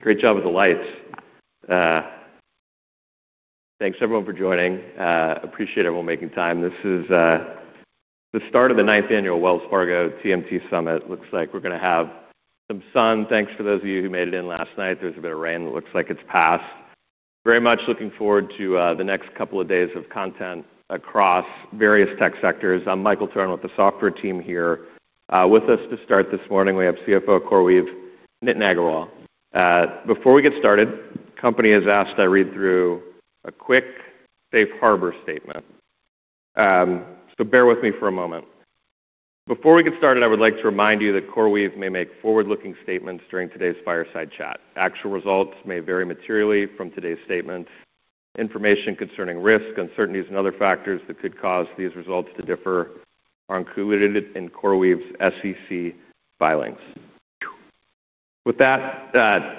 Great job with the lights. Thanks everyone for joining. Appreciate everyone making time. This is the start of the ninth annual Wells Fargo TMT Summit. Looks like we're gonna have some sun. Thanks for those of you who made it in last night. There's a bit of rain that looks like it's passed. Very much looking forward to the next couple of days of content across various tech sectors. I'm Michael Thorne with the software team here. With us to start this morning, we have CFO CoreWeave, Nitin Agrawal. Before we get started, the company has asked that I read through a quick safe harbor statement. So bear with me for a moment. Before we get started, I would like to remind you that CoreWeave may make forward-looking statements during today's fireside chat. Actual results may vary materially from today's statements. Information concerning risk, uncertainties, and other factors that could cause these results to differ are included in CoreWeave's SEC filings. With that,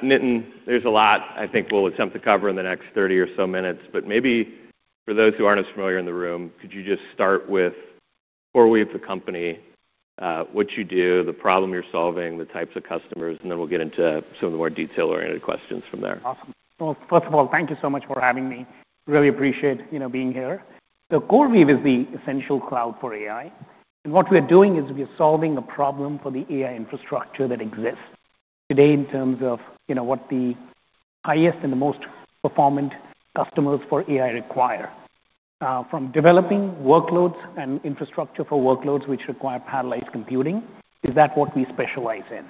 Nitin, there's a lot I think we'll attempt to cover in the next 30 or so minutes. Maybe for those who aren't as familiar in the room, could you just start with CoreWeave, the company, what you do, the problem you're solving, the types of customers, and then we'll get into some of the more detail-oriented questions from there. Awesome. First of all, thank you so much for having me. Really appreciate, you know, being here. CoreWeave is the essential cloud for AI. What we're doing is we're solving a problem for the AI infrastructure that exists today in terms of, you know, what the highest and the most performant customers for AI require. From developing workloads and infrastructure for workloads which require parallelized computing, that is what we specialize in.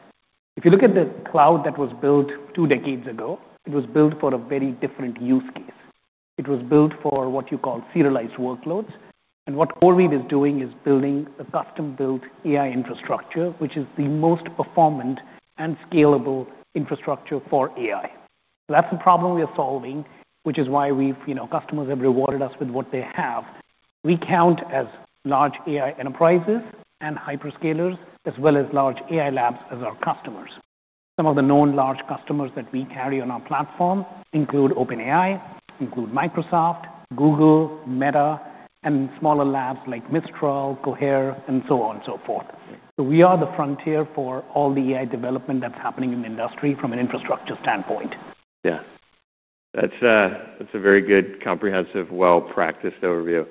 If you look at the cloud that was built two decades ago, it was built for a very different use case. It was built for what you call serialized workloads. What CoreWeave is doing is building a custom-built AI infrastructure which is the most performant and scalable infrastructure for AI. That is the problem we are solving, which is why we've, you know, customers have rewarded us with what they have. We count as large AI enterprises and hyperscalers, as well as large AI labs as our customers. Some of the known large customers that we carry on our platform include OpenAI, include Microsoft, Google, Meta, and smaller labs like Mistral, Cohere, and so on and so forth. We are the frontier for all the AI development that's happening in the industry from an infrastructure standpoint. Yeah. That's a very good, comprehensive, well-practiced overview.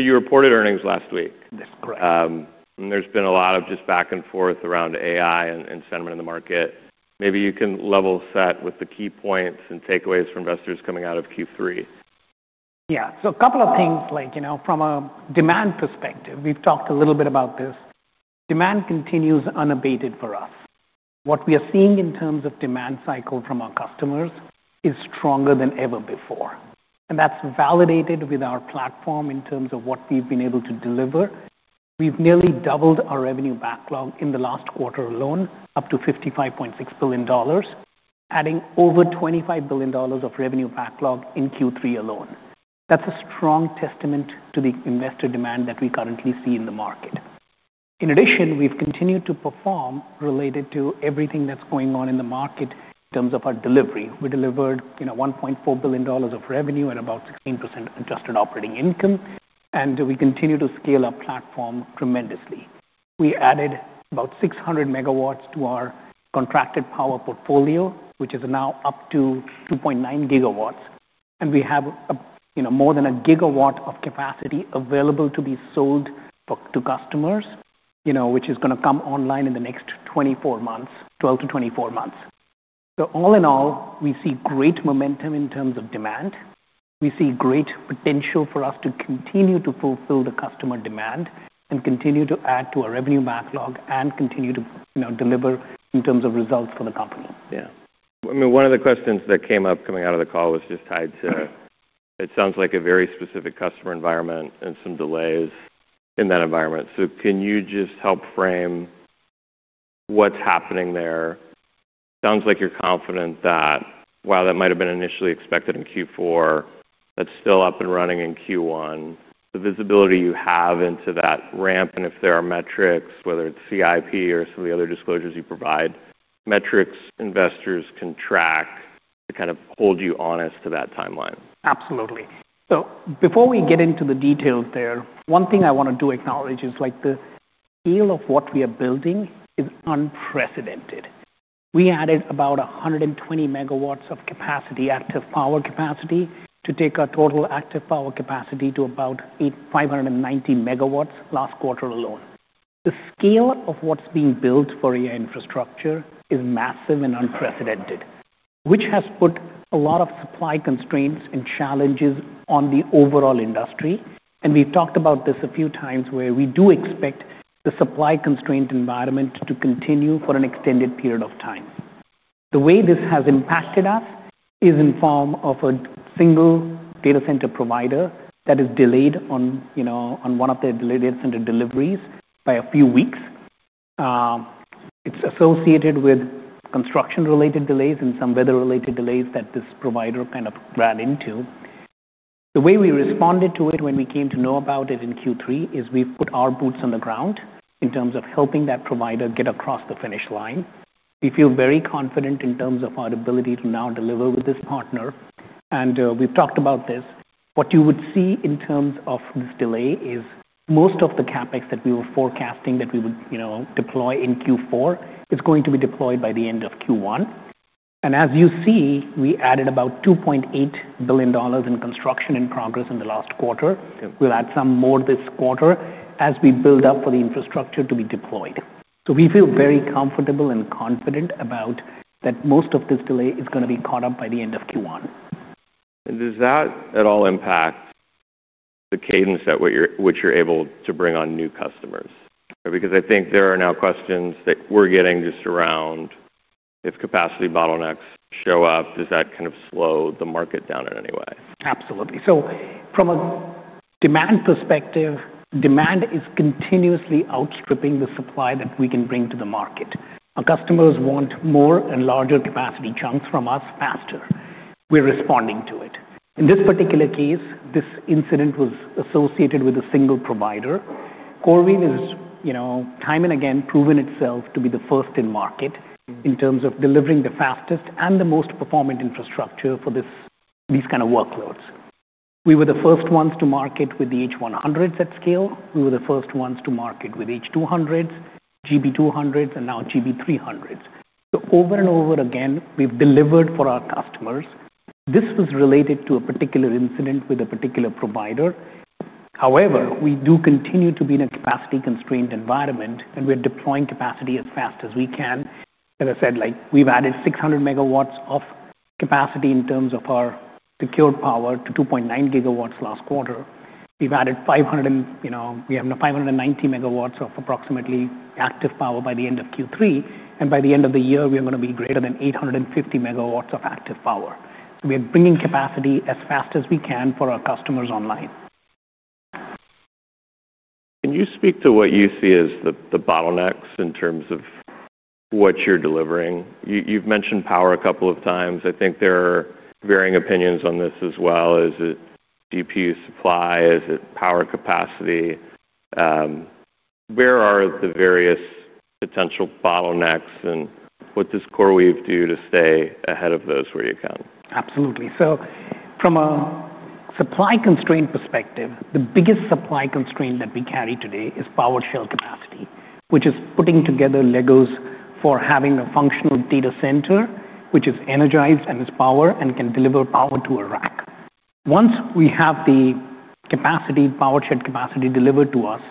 You reported earnings last week. That's correct. and there's been a lot of just back and forth around AI and, and sentiment in the market. Maybe you can level set with the key points and takeaways for investors coming out of Q3. Yeah. So a couple of things, like, you know, from a demand perspective, we've talked a little bit about this. Demand continues unabated for us. What we are seeing in terms of demand cycle from our customers is stronger than ever before. That's validated with our platform in terms of what we've been able to deliver. We've nearly doubled our revenue backlog in the last quarter alone, up to $55.6 billion, adding over $25 billion of revenue backlog in Q3 alone. That's a strong testament to the investor demand that we currently see in the market. In addition, we've continued to perform related to everything that's going on in the market in terms of our delivery. We delivered, you know, $1.4 billion of revenue and about 16% adjusted operating income. We continue to scale our platform tremendously. We added about 600 MW to our contracted power portfolio, which is now up to 2.9 GW. We have a, you know, more than a gigawatt of capacity available to be sold to customers, you know, which is gonna come online in the next 24 months, 12 to 24 months. All in all, we see great momentum in terms of demand. We see great potential for us to continue to fulfill the customer demand and continue to add to our revenue backlog and continue to, you know, deliver in terms of results for the company. Yeah. I mean, one of the questions that came up coming out of the call was just tied to, it sounds like, a very specific customer environment and some delays in that environment. Can you just help frame what's happening there? It sounds like you're confident that while that might have been initially expected in Q4, that's still up and running in Q1. The visibility you have into that ramp, and if there are metrics, whether it's CIP or some of the other disclosures you provide, metrics investors can track to kind of hold you honest to that timeline. Absolutely. Before we get into the details there, one thing I wanna do acknowledge is, like, the scale of what we are building is unprecedented. We added about 120 MW of capacity, active power capacity, to take our total active power capacity to about 590 MW last quarter alone. The scale of what's being built for AI infrastructure is massive and unprecedented, which has put a lot of supply constraints and challenges on the overall industry. We've talked about this a few times where we do expect the supply constraint environment to continue for an extended period of time. The way this has impacted us is in form of a single data center provider that is delayed on, you know, on one of their data center deliveries by a few weeks. It's associated with construction-related delays and some weather-related delays that this provider kind of ran into. The way we responded to it when we came to know about it in Q3 is we've put our boots on the ground in terms of helping that provider get across the finish line. We feel very confident in terms of our ability to now deliver with this partner. We've talked about this. What you would see in terms of this delay is most of the CapEx that we were forecasting that we would, you know, deploy in Q4 is going to be deployed by the end of Q1. As you see, we added about $2.8 billion in construction in progress in the last quarter. We'll add some more this quarter as we build up for the infrastructure to be deployed. We feel very comfortable and confident about that most of this delay is gonna be caught up by the end of Q1. Does that at all impact the cadence at which you're able to bring on new customers? Because I think there are now questions that we're getting just around if capacity bottlenecks show up, does that kind of slow the market down in any way? Absolutely. From a demand perspective, demand is continuously outstripping the supply that we can bring to the market. Our customers want more and larger capacity chunks from us faster. We're responding to it. In this particular case, this incident was associated with a single provider. CoreWeave is, you know, time and again proven itself to be the first in market in terms of delivering the fastest and the most performant infrastructure for these kind of workloads. We were the first ones to market with the H100s at scale. We were the first ones to market with H200s, GB200s, and now GB300s. Over and over again, we've delivered for our customers. This was related to a particular incident with a particular provider. However, we do continue to be in a capacity-constrained environment, and we're deploying capacity as fast as we can. As I said, like, we've added 600 MW of capacity in terms of our secure power to 2.9 GW last quarter. We've added 500, you know, we have now 590 MW of approximately active power by the end of Q3. By the end of the year, we are gonna be greater than 850 MW of active power. We are bringing capacity as fast as we can for our customers online. Can you speak to what you see as the bottlenecks in terms of what you're delivering? You've mentioned power a couple of times. I think there are varying opinions on this as well. Is it GPU supply? Is it power capacity? Where are the various potential bottlenecks, and what does CoreWeave do to stay ahead of those where you can? Absolutely. From a supply-constrained perspective, the biggest supply constraint that we carry today is power shell capacity, which is putting together Legos for having a functional data center, which is energized and has power and can deliver power to a rack. Once we have the capacity, power shell capacity delivered to us,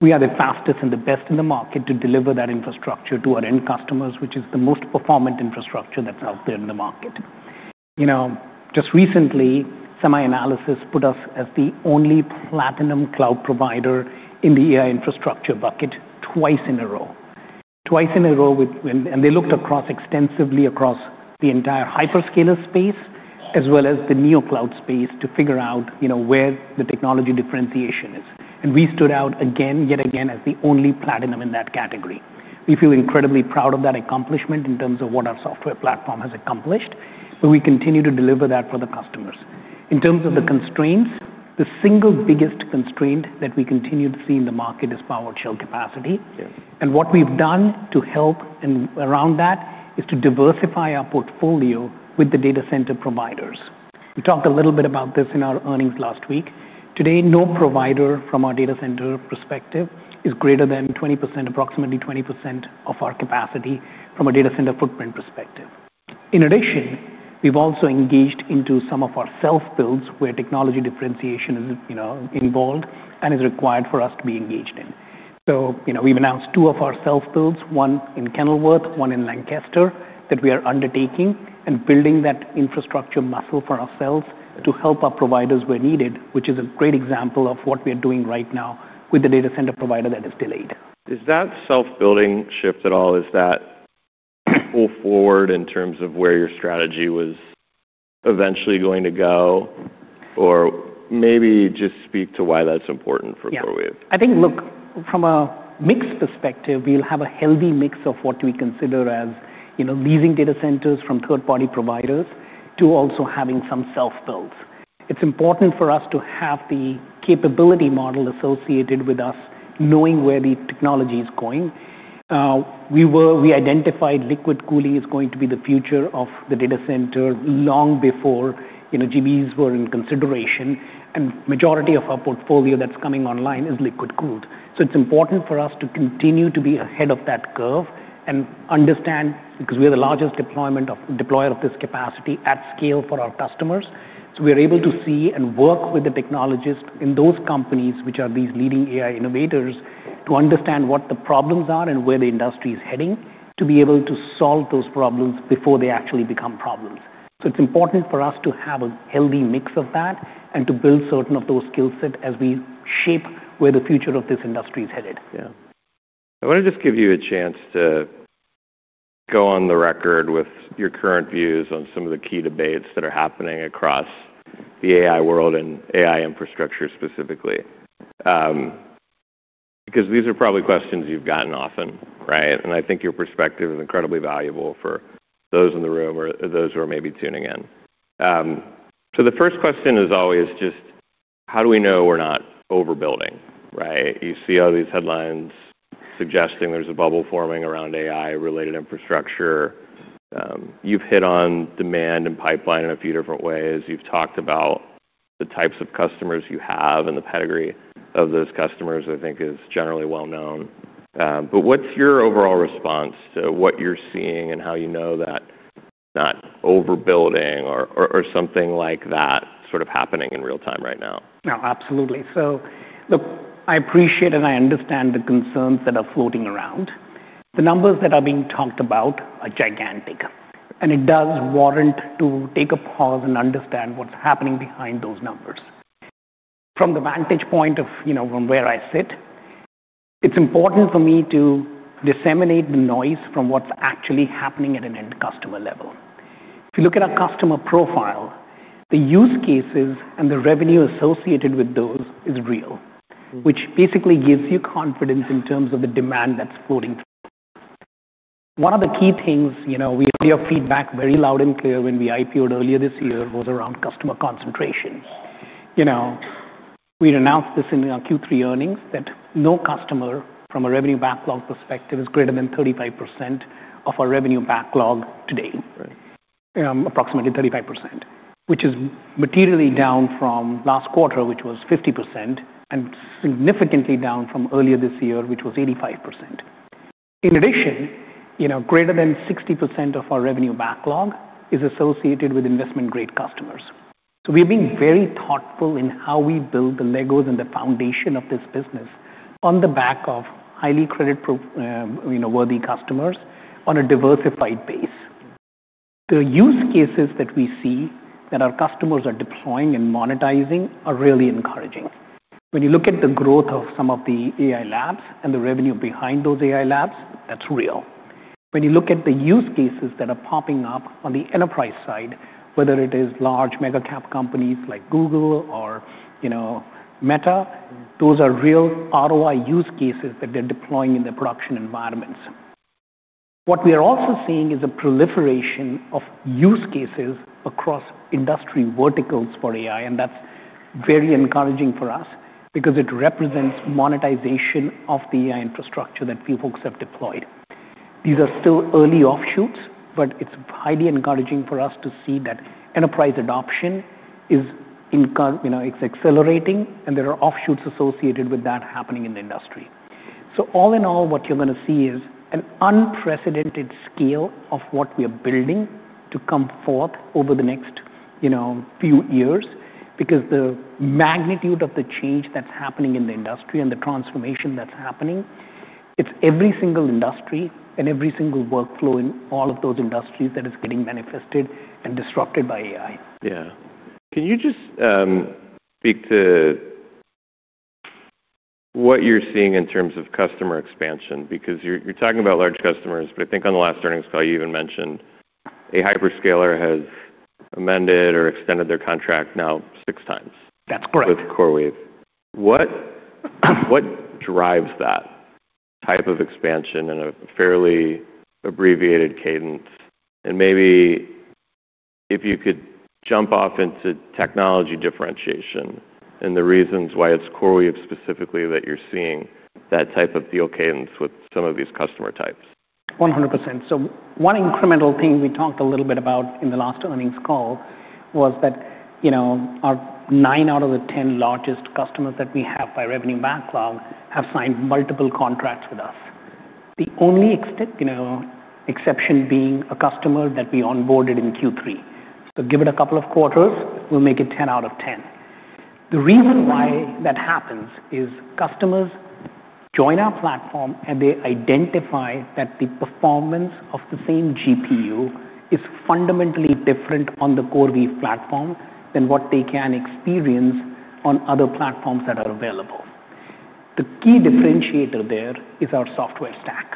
we are the fastest and the best in the market to deliver that infrastructure to our end customers, which is the most performant infrastructure that's out there in the market. You know, just recently, SemiAnalysis put us as the only platinum cloud provider in the AI infrastructure bucket twice in a row. Twice in a row, and they looked extensively across the entire hyperscaler space as well as the NeoCloud space to figure out, you know, where the technology differentiation is. We stood out again, yet again, as the only platinum in that category. We feel incredibly proud of that accomplishment in terms of what our software platform has accomplished. We continue to deliver that for the customers. In terms of the constraints, the single biggest constraint that we continue to see in the market is power shell capacity. Yes. What we have done to help around that is to diversify our portfolio with the data center providers. We talked a little bit about this in our earnings last week. Today, no provider from our data center perspective is greater than 20%, approximately 20% of our capacity from a data center footprint perspective. In addition, we have also engaged into some of our self-builds where technology differentiation is, you know, involved and is required for us to be engaged in. You know, we have announced two of our self-builds, one in Kenilworth, one in Lancaster, that we are undertaking and building that infrastructure muscle for ourselves to help our providers where needed, which is a great example of what we are doing right now with the data center provider that is delayed. Is that self-building shift at all? Is that full forward in terms of where your strategy was eventually going to go? Or maybe just speak to why that's important for CoreWeave. Yeah. I think, look, from a mixed perspective, we'll have a healthy mix of what we consider as, you know, leasing data centers from third-party providers to also having some self-builds. It's important for us to have the capability model associated with us knowing where the technology is going. We were, we identified liquid cooling is going to be the future of the data center long before, you know, GBs were in consideration. And the majority of our portfolio that's coming online is liquid-cooled. It's important for us to continue to be ahead of that curve and understand, because we are the largest deployer of this capacity at scale for our customers. We are able to see and work with the technologists in those companies, which are these leading AI innovators, to understand what the problems are and where the industry is heading to be able to solve those problems before they actually become problems. It is important for us to have a healthy mix of that and to build certain of those skill sets as we shape where the future of this industry is headed. Yeah. I wanna just give you a chance to go on the record with your current views on some of the key debates that are happening across the AI world and AI infrastructure specifically. Because these are probably questions you've gotten often, right? I think your perspective is incredibly valuable for those in the room or those who are maybe tuning in. The first question is always just, how do we know we're not overbuilding, right? You see all these headlines suggesting there's a bubble forming around AI-related infrastructure. You've hit on demand and pipeline in a few different ways. You've talked about the types of customers you have and the pedigree of those customers, I think, is generally well-known. what's your overall response to what you're seeing and how you know that it's not overbuilding or something like that sort of happening in real time right now? No, absolutely. Look, I appreciate and I understand the concerns that are floating around. The numbers that are being talked about are gigantic. It does warrant to take a pause and understand what's happening behind those numbers. From the vantage point of, you know, from where I sit, it's important for me to disseminate the noise from what's actually happening at an end customer level. If you look at our customer profile, the use cases and the revenue associated with those is real, which basically gives you confidence in terms of the demand that's floating through. One of the key things, you know, we heard your feedback very loud and clear when we IPO'd earlier this year was around customer concentration. You know, we announced this in our Q3 earnings that no customer from a revenue backlog perspective is greater than 35% of our revenue backlog today. Right. Approximately 35%, which is materially down from last quarter, which was 50%, and significantly down from earlier this year, which was 85%. In addition, you know, greater than 60% of our revenue backlog is associated with investment-grade customers. So we are being very thoughtful in how we build the Legos and the foundation of this business on the back of highly credit-pro, you know, worthy customers on a diversified base. The use cases that we see that our customers are deploying and monetizing are really encouraging. When you look at the growth of some of the AI labs and the revenue behind those AI labs, that's real. When you look at the use cases that are popping up on the enterprise side, whether it is large mega-cap companies like Google or, you know, Meta, those are real ROI use cases that they're deploying in their production environments. What we are also seeing is a proliferation of use cases across industry verticals for AI, and that's very encouraging for us because it represents monetization of the AI infrastructure that people have deployed. These are still early offshoots, but it's highly encouraging for us to see that enterprise adoption is in, you know, it's accelerating, and there are offshoots associated with that happening in the industry. All in all, what you're gonna see is an unprecedented scale of what we are building to come forth over the next, you know, few years because the magnitude of the change that's happening in the industry and the transformation that's happening, it's every single industry and every single workflow in all of those industries that is getting manifested and disrupted by AI. Yeah. Can you just speak to what you're seeing in terms of customer expansion? Because you're talking about large customers, but I think on the last earnings call, you even mentioned a hyperscaler has amended or extended their contract now 6x. That's correct. With CoreWeave. What drives that type of expansion in a fairly abbreviated cadence? Maybe if you could jump off into technology differentiation and the reasons why it's CoreWeave specifically that you're seeing that type of deal cadence with some of these customer types. 100%. One incremental thing we talked a little bit about in the last earnings call was that, you know, nine out of the ten largest customers that we have by revenue backlog have signed multiple contracts with us. The only exception, you know, being a customer that we onboarded in Q3. Give it a couple of quarters, we'll make it 10 out of 10. The reason why that happens is customers join our platform and they identify that the performance of the same GPU is fundamentally different on the CoreWeave platform than what they can experience on other platforms that are available. The key differentiator there is our software stack.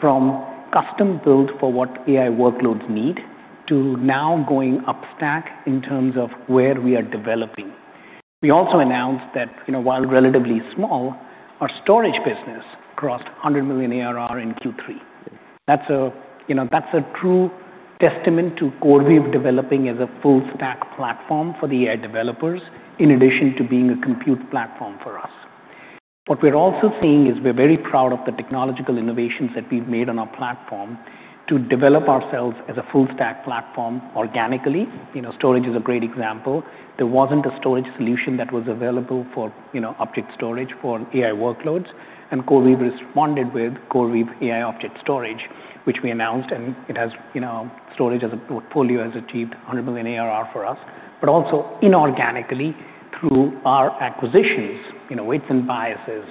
From custom-build for what AI workloads need to now going upstack in terms of where we are developing. We also announced that, you know, while relatively small, our storage business crossed $100 million ARR in Q3. That's a, you know, that's a true testament to CoreWeave developing as a full-stack platform for the AI developers in addition to being a compute platform for us. What we're also seeing is we're very proud of the technological innovations that we've made on our platform to develop ourselves as a full-stack platform organically. You know, storage is a great example. There wasn't a storage solution that was available for, you know, object storage for AI workloads. CoreWeave responded with CoreWeave AI Object Storage, which we announced, and it has, you know, storage as a portfolio has achieved $100 million ARR for us. Also inorganically through our acquisitions, you know, Weights & Biases,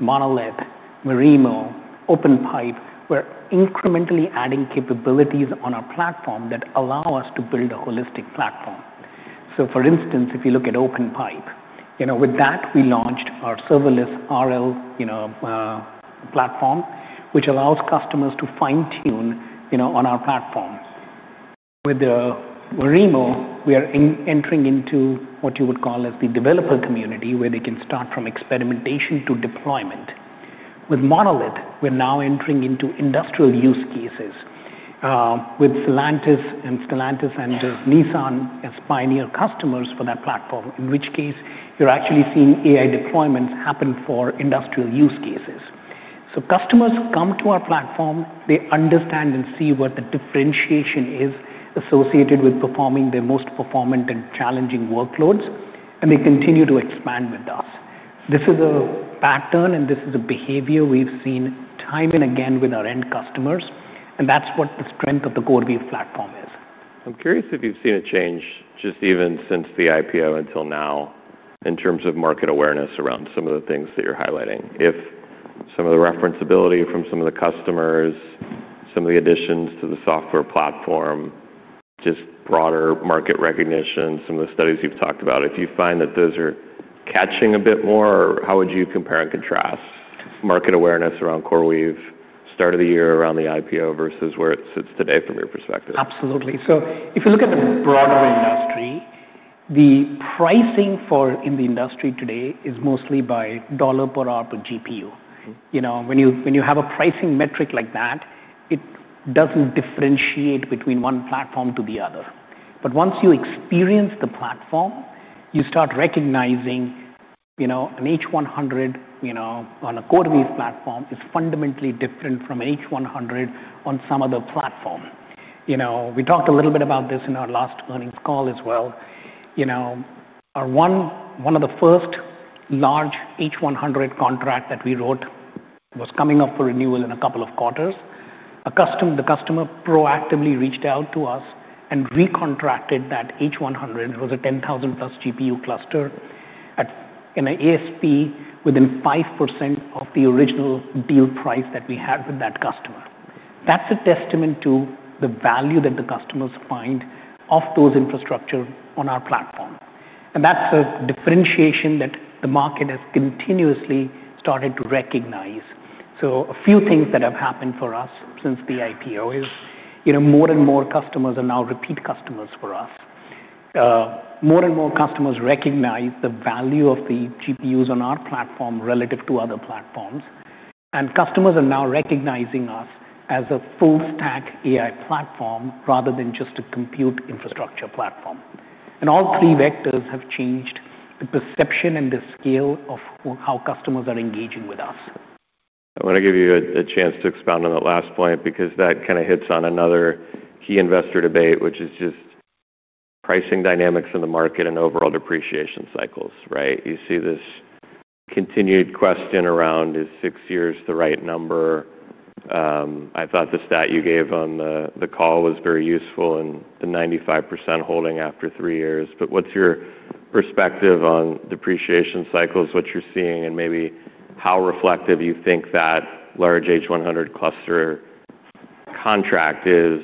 Monolith, Marino, OpenPipe, we're incrementally adding capabilities on our platform that allow us to build a holistic platform. For instance, if you look at OpenPipe, you know, with that we launched our serverless RL, you know, platform, which allows customers to fine-tune, you know, on our platform. With the Marino, we are entering into what you would call as the developer community where they can start from experimentation to deployment. With Monolith, we're now entering into industrial use cases, with Stellantis and Nissan as pioneer customers for that platform, in which case you're actually seeing AI deployments happen for industrial use cases. Customers come to our platform, they understand and see what the differentiation is associated with performing the most performant and challenging workloads, and they continue to expand with us. This is a pattern, and this is a behavior we've seen time and again with our end customers. That's what the strength of the CoreWeave platform is. I'm curious if you've seen a change just even since the IPO until now in terms of market awareness around some of the things that you're highlighting. If some of the referenceability from some of the customers, some of the additions to the software platform, just broader market recognition, some of the studies you've talked about, if you find that those are catching a bit more, how would you compare and contrast market awareness around CoreWeave start of the year around the IPO versus where it sits today from your perspective? Absolutely. If you look at the broader industry, the pricing for in the industry today is mostly by dollar per hour per GPU. You know, when you have a pricing metric like that, it does not differentiate between one platform to the other. Once you experience the platform, you start recognizing, you know, an H100, you know, on a CoreWeave platform is fundamentally different from an H100 on some other platform. We talked a little bit about this in our last earnings call as well. One of the first large H100 contracts that we wrote was coming up for renewal in a couple of quarters. The customer proactively reached out to us and recontracted that H100. It was a 10,000-plus GPU cluster at an ASP within 5% of the original deal price that we had with that customer. That's a testament to the value that the customers find of those infrastructures on our platform. That's a differentiation that the market has continuously started to recognize. A few things that have happened for us since the IPO is, you know, more and more customers are now repeat customers for us. More and more customers recognize the value of the GPUs on our platform relative to other platforms. Customers are now recognizing us as a full-stack AI platform rather than just a compute infrastructure platform. All three vectors have changed the perception and the scale of how customers are engaging with us. I wanna give you a chance to expound on that last point because that kinda hits on another key investor debate, which is just pricing dynamics in the market and overall depreciation cycles, right? You see this continued question around, is six years the right number? I thought the stat you gave on the, the call was very useful and the 95% holding after three years. What's your perspective on depreciation cycles, what you're seeing, and maybe how reflective you think that large H100 cluster contract is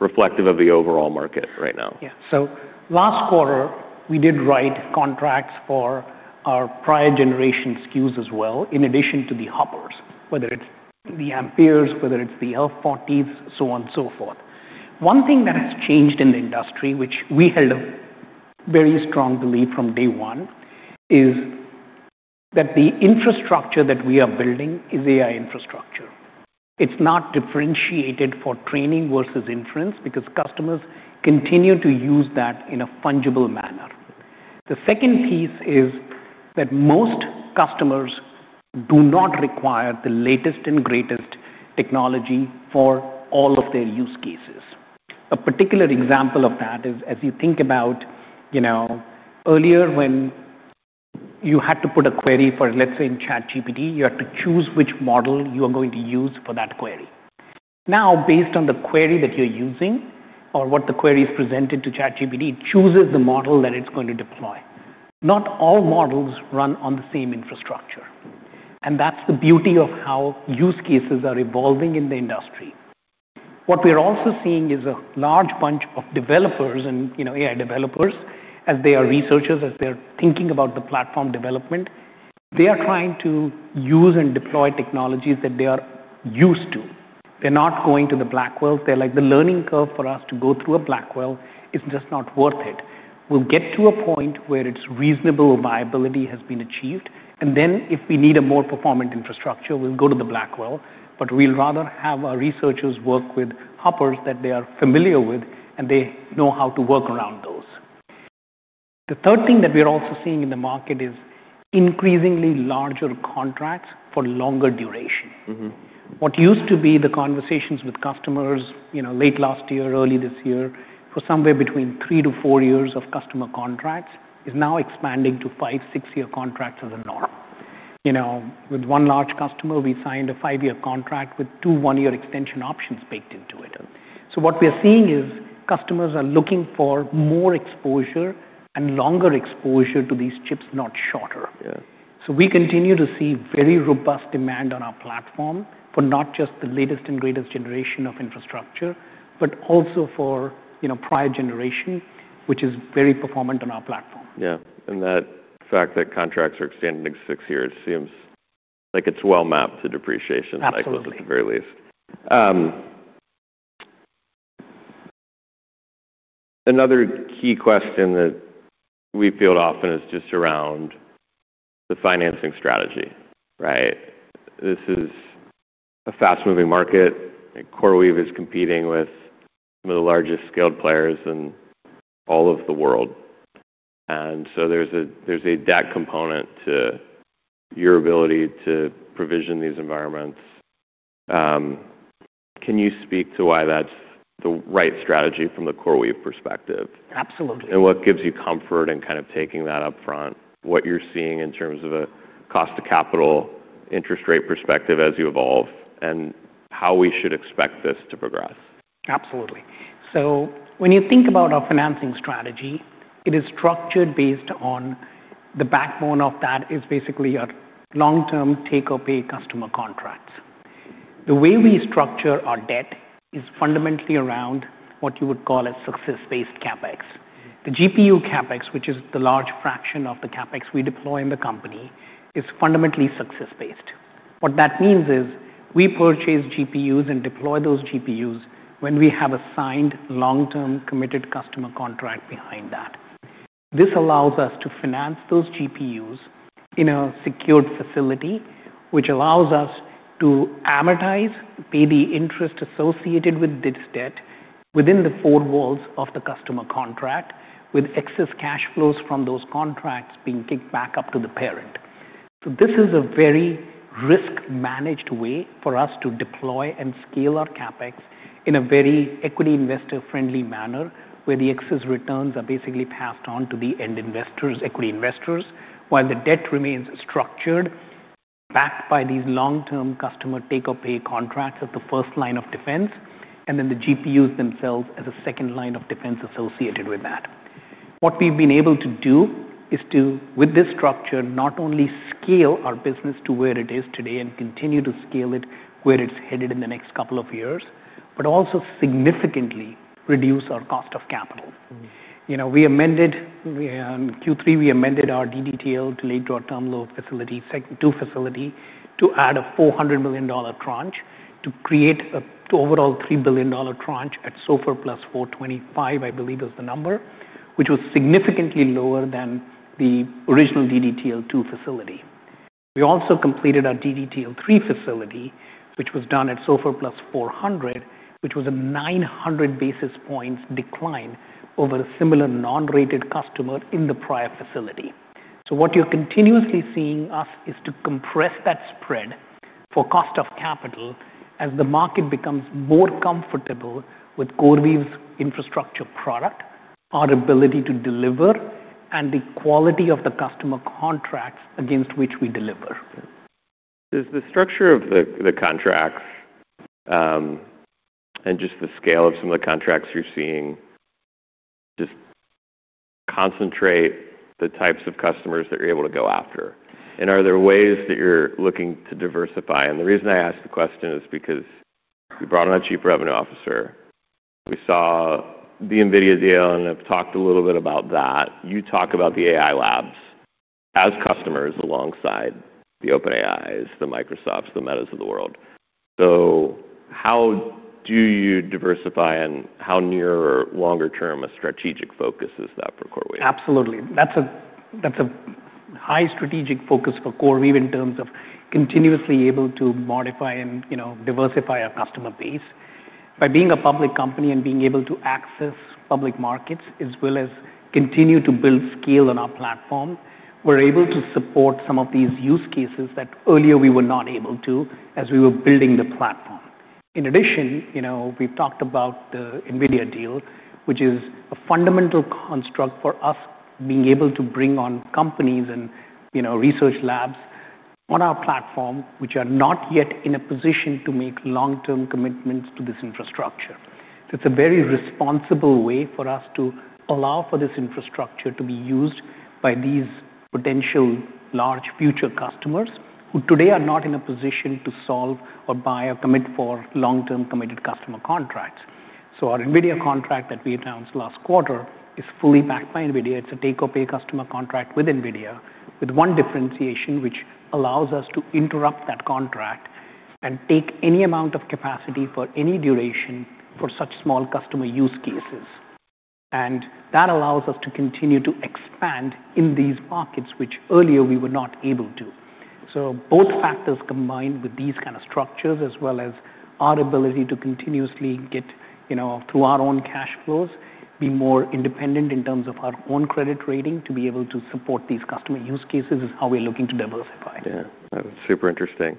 reflective of the overall market right now? Yeah. Last quarter, we did write contracts for our prior generation SKUs as well in addition to the hoppers, whether it's the Amperes, whether it's the L40s, so on and so forth. One thing that has changed in the industry, which we held a very strong belief from day one, is that the infrastructure that we are building is AI infrastructure. It's not differentiated for training versus inference because customers continue to use that in a fungible manner. The second piece is that most customers do not require the latest and greatest technology for all of their use cases. A particular example of that is, as you think about, you know, earlier when you had to put a query for, let's say, in ChatGPT, you had to choose which model you are going to use for that query. Now, based on the query that you're using or what the query is presented to ChatGPT, it chooses the model that it's going to deploy. Not all models run on the same infrastructure. That's the beauty of how use cases are evolving in the industry. What we are also seeing is a large bunch of developers and, you know, AI developers, as they are researchers, as they're thinking about the platform development, they are trying to use and deploy technologies that they are used to. They're not going to the Blackwells. They're like, the learning curve for us to go through a Blackwell is just not worth it. We'll get to a point where its reasonable viability has been achieved. If we need a more performant infrastructure, we'll go to the Blackwell, but we'd rather have our researchers work with Hoppers that they are familiar with and they know how to work around those. The third thing that we are also seeing in the market is increasingly larger contracts for longer duration. What used to be the conversations with customers, you know, late last year, early this year, for somewhere between three- to four-year customer contracts is now expanding to five- to six-year contracts as a norm. You know, with one large customer, we signed a five-year contract with two one-year extension options baked into it. What we are seeing is customers are looking for more exposure and longer exposure to these chips, not shorter. We continue to see very robust demand on our platform for not just the latest and greatest generation of infrastructure, but also for, you know, prior generation, which is very performant on our platform. Yeah. And that fact that contracts are extending six years, it seems like it's well mapped to depreciation cycles at the very least. Another key question that we field often is just around the financing strategy, right? This is a fast-moving market. CoreWeave is competing with some of the largest scaled players in all of the world. There is a debt component to your ability to provision these environments. Can you speak to why that's the right strategy from the CoreWeave perspective? Absolutely. What gives you comfort in kind of taking that upfront, what you're seeing in terms of a cost-to-capital interest rate perspective as you evolve and how we should expect this to progress? Absolutely. When you think about our financing strategy, it is structured based on the backbone of that is basically our long-term take-or-pay customer contracts. The way we structure our debt is fundamentally around what you would call a success-based CapEx. The GPU CapEx, which is the large fraction of the CapEx we deploy in the company, is fundamentally success-based. What that means is we purchase GPUs and deploy those GPUs when we have a signed long-term committed customer contract behind that. This allows us to finance those GPUs in a secured facility, which allows us to amortize, pay the interest associated with this debt within the four walls of the customer contract, with excess cash flows from those contracts being kicked back up to the parent. This is a very risk-managed way for us to deploy and scale our CapEx in a very equity investor-friendly manner where the excess returns are basically passed on to the end investors, equity investors, while the debt remains structured, backed by these long-term customer take-or-pay contracts as the first line of defense, and then the GPUs themselves as a second line of defense associated with that. What we have been able to do is to, with this structure, not only scale our business to where it is today and continue to scale it where it is headed in the next couple of years, but also significantly reduce our cost of capital. You know, we amended in Q3, we amended our DDTL 2 late-draw term loan facility, second-to facility to add a $400 million tranche to create an overall $3 billion tranche at SOFR plus 425, I believe is the number, which was significantly lower than the original DDTL 2 facility. We also completed our DDTL 3 facility, which was done at SOFR plus 400, which was a 900 basis points decline over a similar non-rated customer in the prior facility. What you're continuously seeing us do is compress that spread for cost of capital as the market becomes more comfortable with CoreWeave's infrastructure product, our ability to deliver, and the quality of the customer contracts against which we deliver. Does the structure of the contracts, and just the scale of some of the contracts you're seeing, just concentrate the types of customers that you're able to go after? Are there ways that you're looking to diversify? The reason I ask the question is because you brought on a Chief Revenue Officer. We saw the NVIDIA deal and have talked a little bit about that. You talk about the AI labs as customers alongside the OpenAIs, the Microsofts, the Metas of the world. How do you diversify and how near or longer term a strategic focus is that for CoreWeave? Absolutely. That's a high strategic focus for CoreWeave in terms of continuously able to modify and, you know, diversify our customer base. By being a public company and being able to access public markets as well as continue to build scale on our platform, we're able to support some of these use cases that earlier we were not able to as we were building the platform. In addition, you know, we've talked about the NVIDIA deal, which is a fundamental construct for us being able to bring on companies and, you know, research labs on our platform, which are not yet in a position to make long-term commitments to this infrastructure. It is a very responsible way for us to allow for this infrastructure to be used by these potential large future customers who today are not in a position to solve or buy or commit for long-term committed customer contracts. Our NVIDIA contract that we announced last quarter is fully backed by NVIDIA. It is a take-or-pay customer contract with NVIDIA with one differentiation, which allows us to interrupt that contract and take any amount of capacity for any duration for such small customer use cases. That allows us to continue to expand in these markets, which earlier we were not able to. Both factors combined with these kind of structures, as well as our ability to continuously get, you know, through our own cash flows, be more independent in terms of our own credit rating to be able to support these customer use cases is how we are looking to diversify. Yeah. That's super interesting.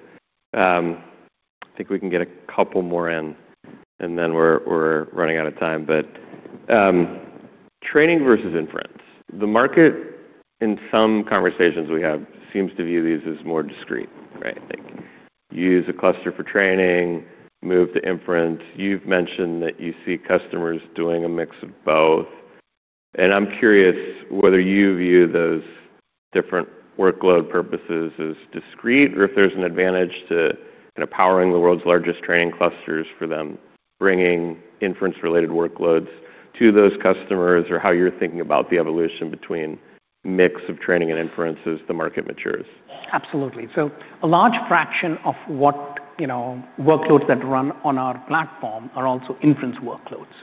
I think we can get a couple more in and then we're running out of time. Training versus inference. The market in some conversations we have seems to view these as more discrete, right? Like use a cluster for training, move to inference. You've mentioned that you see customers doing a mix of both. I'm curious whether you view those different workload purposes as discrete or if there's an advantage to kind of powering the world's largest training clusters for them, bringing inference-related workloads to those customers or how you're thinking about the evolution between mix of training and inference as the market matures. Absolutely. A large fraction of what, you know, workloads that run on our platform are also inference workloads,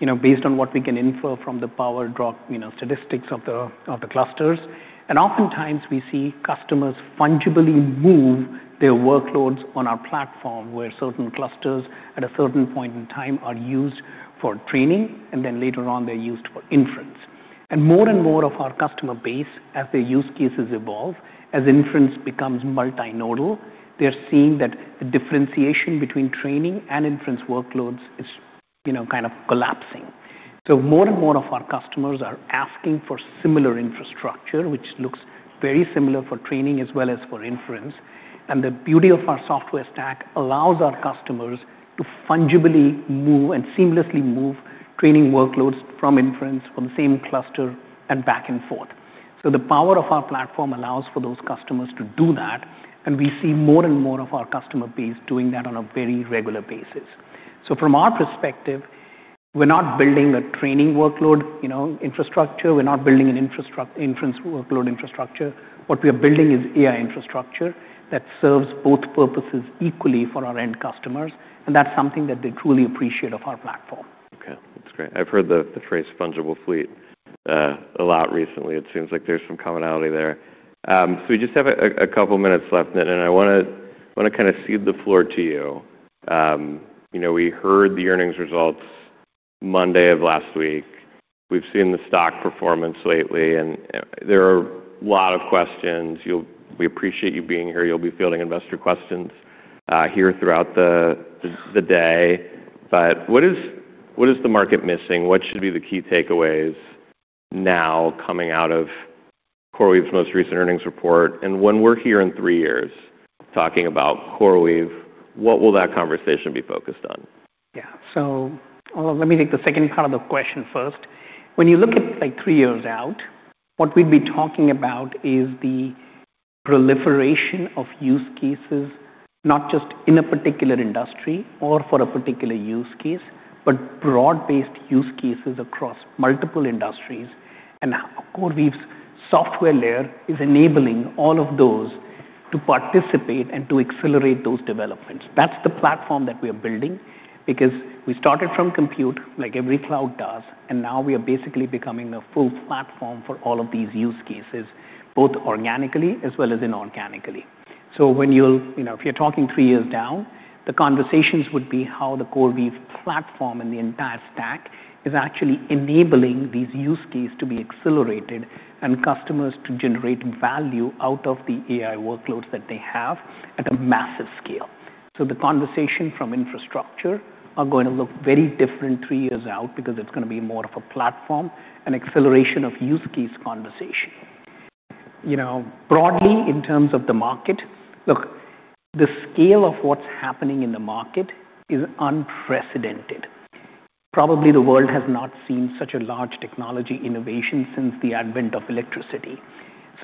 you know, based on what we can infer from the power draw, you know, statistics of the clusters. Oftentimes we see customers fungibly move their workloads on our platform where certain clusters at a certain point in time are used for training and then later on they're used for inference. More and more of our customer base, as their use cases evolve, as inference becomes multinodal, they're seeing that the differentiation between training and inference workloads is, you know, kind of collapsing. More and more of our customers are asking for similar infrastructure, which looks very similar for training as well as for inference. The beauty of our software stack allows our customers to fungibly move and seamlessly move training workloads from inference from the same cluster and back and forth. The power of our platform allows for those customers to do that. We see more and more of our customer base doing that on a very regular basis. From our perspective, we're not building a training workload, you know, infrastructure. We're not building an infrastructure inference workload infrastructure. What we are building is AI infrastructure that serves both purposes equally for our end customers. That's something that they truly appreciate of our platform. Okay. That's great. I've heard the phrase fungible fleet a lot recently. It seems like there's some commonality there. We just have a couple minutes left, Nitin, and I wanna kind of cede the floor to you. You know, we heard the earnings results Monday of last week. We've seen the stock performance lately and there are a lot of questions. We appreciate you being here. You'll be fielding investor questions here throughout the day. What is the market missing? What should be the key takeaways now coming out of CoreWeave's most recent earnings report? When we're here in three years talking about CoreWeave, what will that conversation be focused on? Yeah. Let me take the second part of the question first. When you look at like three years out, what we'd be talking about is the proliferation of use cases, not just in a particular industry or for a particular use case, but broad-based use cases across multiple industries. CoreWeave's software layer is enabling all of those to participate and to accelerate those developments. That's the platform that we are building because we started from compute like every cloud does, and now we are basically becoming a full platform for all of these use cases, both organically as well as inorganically. When you'll, you know, if you're talking three years down, the conversations would be how the CoreWeave platform and the entire stack is actually enabling these use cases to be accelerated and customers to generate value out of the AI workloads that they have at a massive scale. The conversation from infrastructure are going to look very different three years out because it's going to be more of a platform and acceleration of use case conversation. You know, broadly in terms of the market, look, the scale of what's happening in the market is unprecedented. Probably the world has not seen such a large technology innovation since the advent of electricity.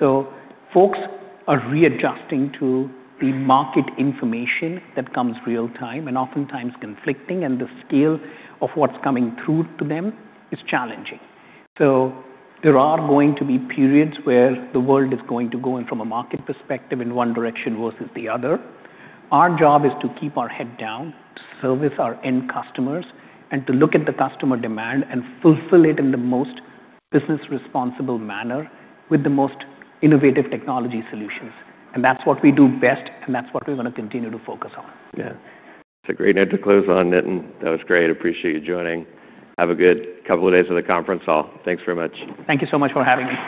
Folks are readjusting to the market information that comes real-time and oftentimes conflicting, and the scale of what's coming through to them is challenging. There are going to be periods where the world is going to go in from a market perspective in one direction versus the other. Our job is to keep our head down, to service our end customers, and to look at the customer demand and fulfill it in the most business-responsible manner with the most innovative technology solutions. That is what we do best, and that is what we are going to continue to focus on. Yeah. That's a great note to close on, Nitin. That was great. Appreciate you joining. Have a good couple of days at the conference hall. Thanks very much. Thank you so much for having me.